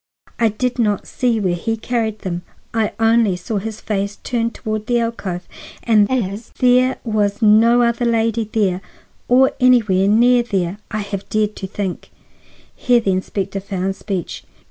I did not see where he carried them; I only saw his face turned toward the alcove; and as there was no other lady there, or anywhere near there, I have dared to think—" Here the inspector found speech.